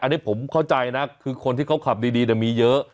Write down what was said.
อันนี้ผมเข้าใจนะคือคนที่เขาขับดีมีเยอะ